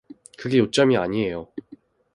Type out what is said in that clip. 그게 요점이 아니에요.